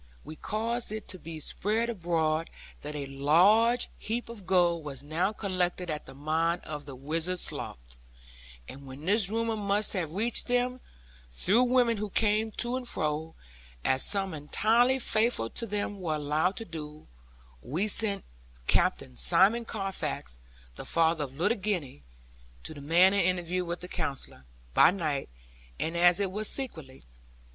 We caused it to be spread abroad that a large heap of gold was now collected at the mine of the Wizard's Slough. And when this rumour must have reached them, through women who came to and fro, as some entirely faithful to them were allowed to do, we sent Captain Simon Carfax, the father of little Gwenny, to demand an interview with the Counsellor, by night, and as it were secretly.